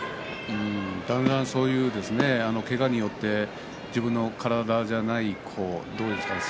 だんだん、けがによって自分の体じゃないどうでしょうかね